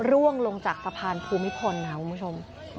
ร่วงลงจากสะพานภูมิพลค่ะคุณผู้ชม